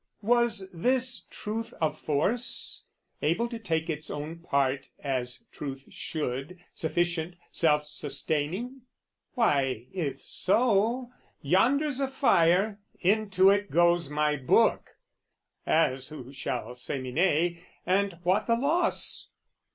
Was this truth of force? Able to take its own part as truth should, Sufficient, self sustaining? Why, if so Yonder's a fire, into it goes my book, As who shall say me nay, and what the loss?